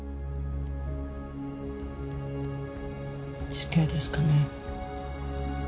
死刑ですかね？